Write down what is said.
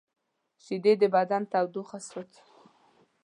شیدې د بدن تودوخه ساتي